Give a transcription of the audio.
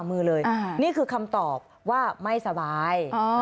ฝ่ามือเลยอ่านี่คือคำตอบว่าไม่สบายอ๋อ